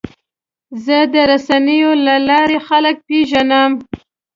زه د رسنیو له لارې خلک پیژنم.